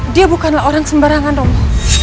dia bukanlah orang sembarangan romo